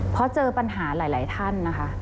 เพราะเจอปัญหาหลายท่านนะคะ